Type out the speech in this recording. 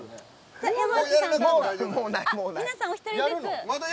皆さん、お一人ずつ。